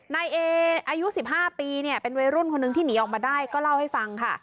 นายเออายุ๑๕ปีเนี่ยเป็นวัยรุ่นคนหนึ่งที่หนีออกมาได้ก็เล่าให้ฟังค่ะ